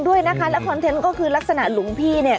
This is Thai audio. ด้วยนะคะและคอนเทนต์ก็คือลักษณะหลวงพี่เนี่ย